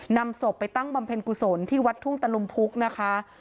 นำศพไปตั้งบำเพ็ญกุศลที่วัดทุ่งตะลุมพุกนะคะ